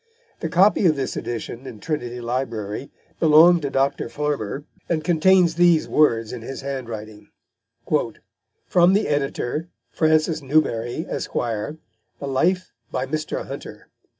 The copy of this edition in Trinity Library belonged to Dr. Farmer, and contains these words in his handwriting: "From the Editor, Francis Newbery, Esq.; the Life by Mr. Hunter."